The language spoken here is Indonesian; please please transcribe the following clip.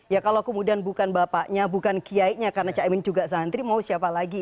ya kalau kemudian bukan bapaknya bukan kiainya karena caimin juga santri mau siapa lagi